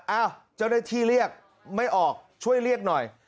เจ้าหน้าที่เรียกไม่ออกช่วยเรียกหน่อย